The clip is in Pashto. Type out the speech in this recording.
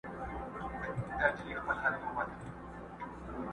په اتڼ به سي ور ګډ د څڼورو،